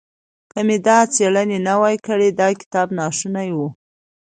که مې دا څېړنه نه وای کړې دا کتاب ناشونی و.